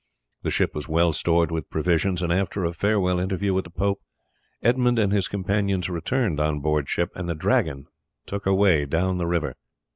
The ship was well stored with provisions, and after a farewell interview with the pope, Edmund and his companions returned on board ship, and the Dragon took her way down the river.